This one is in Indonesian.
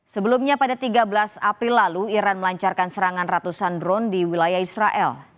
sebelumnya pada tiga belas april lalu iran melancarkan serangan ratusan drone di wilayah israel